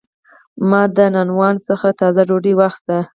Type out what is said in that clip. ما د نانوان څخه تازه ډوډۍ واخیسته.